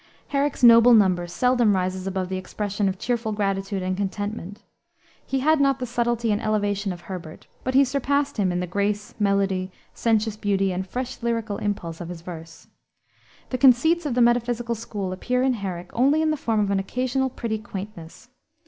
Herrick's Noble Numbers seldom rises above the expression of a cheerful gratitude and contentment. He had not the subtlety and elevation of Herbert, but he surpassed him in the grace, melody, sensuous beauty, and fresh lyrical impulse of his verse. The conceits of the metaphysical school appear in Herrick only in the form of an occasional pretty quaintness.